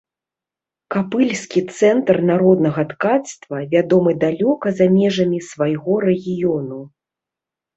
Капыльскі цэнтр народнага ткацтва вядомы далёка за межамі свайго рэгіёну.